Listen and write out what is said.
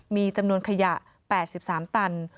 มีจำนวนขยะ๘๓ตัน